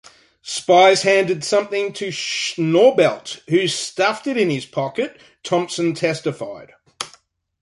Spies handed something to Schnaubelt, who stuffed it in his pocket, Thompson testified.